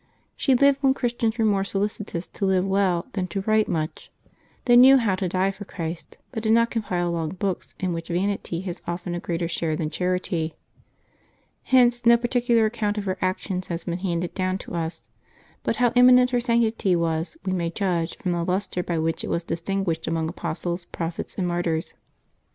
She lived when Christians were more solicitous to live well than to write much : they knew how to die for Christ, but did not compile long books in which vanity has often a greater share than charity. Hence no particular account of her actions has been handed down to us. But how eminent her sanctity was we may judge from the lustre by which it was distinguished among apostles, prophets, and martyrs.